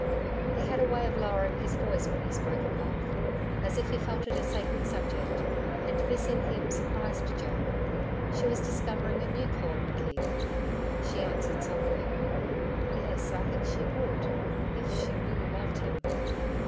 He had a way of lowering his voice when he spoke of love as if he felt it a sacred subject; and this in him surprised Joan. She was discovering a new Colin McKeith. She answered softly. 'Yes. I think she would IF she really loved him.'